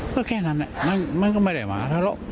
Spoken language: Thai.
ก็แค่นั้นเนี่ยมันก็ไม่ได้มาแล้ว